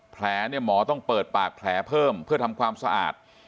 แผลเนี่ยหมอต้องเปิดปากแผลเพิ่มเพื่อทำความสะอาด